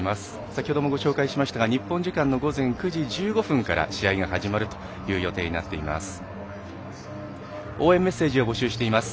先ほどもご紹介しましたが日本時間午前９時１５分から試合が始まるという予定になっています。